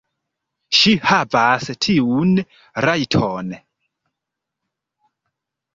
Ŝi havas tiun rajton.